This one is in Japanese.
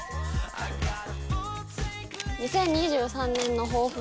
「２０２３年の抱負は？」